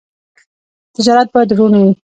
تجارت باید روڼ وي.